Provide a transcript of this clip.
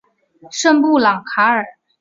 圣布朗卡尔。